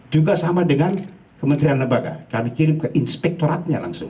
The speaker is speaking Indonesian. juga sama dengan kementerian lembaga kami kirim ke inspektoratnya langsung